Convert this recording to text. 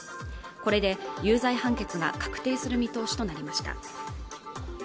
これで有罪判決が確定する見通しとなりました